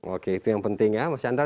oke itu yang penting ya mas chandra